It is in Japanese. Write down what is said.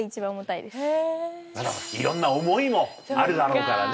いろんな思いもあるだろうからね